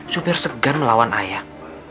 juper segan melawan ayah